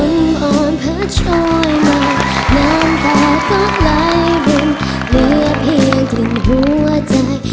น้ำตาก็ไหลลึงเหลือเพียงถึงหัวใจ